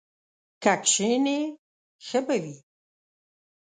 که کښېنې ښه به وي!